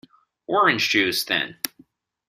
Orange juice, then.